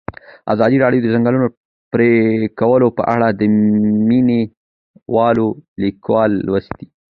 ازادي راډیو د د ځنګلونو پرېکول په اړه د مینه والو لیکونه لوستي.